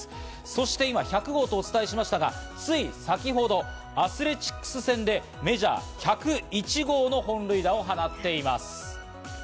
そして今、１００号とお伝えしましたが、つい先程、アスレチックス戦でメジャー１０１号の本塁打を放っています。